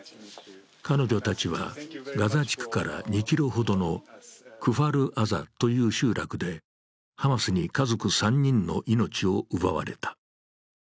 彼女たちはガザ地区から２ｋｍほどのクファル・アザという集落でハマスに家族３人の命を奪われた。